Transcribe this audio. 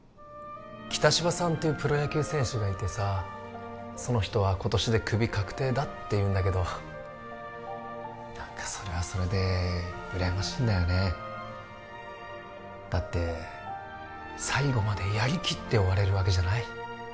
北芝さんっていうプロ野球選手がいてさその人は今年でクビ確定だっていうんだけど何かそれはそれでうらやましいんだよねだって最後までやりきって終われるわけじゃない？